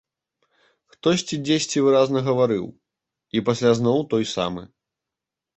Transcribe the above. Хтосьці дзесьці выразна гаварыў, і пасля зноў той самы!